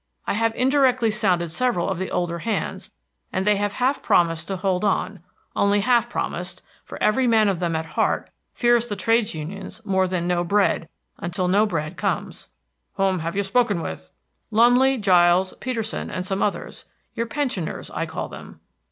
I have indirectly sounded several of the older hands, and they have half promised to hold on; only half promised, for every man of them at heart fears the trades union more than No bread until No bread comes." "Whom have you spoken with?" "Lumley, Giles, Peterson, and some others, your pensioners, I call them."